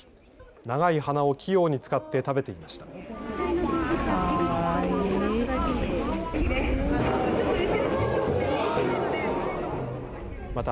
長い鼻を器用に使って食べていました。